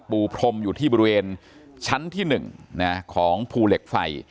ปูพรมอยู่ที่บริเวณชั้นที่๑ของภูเหล็กไฟ